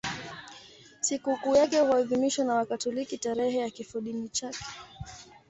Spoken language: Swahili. Sikukuu yake huadhimishwa na Wakatoliki tarehe ya kifodini chake.